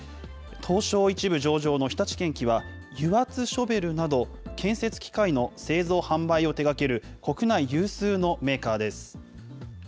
東証１部上場の日立建機は、油圧ショベルなど、建設機械の製造・販売を手がける国内有数のメーカーです。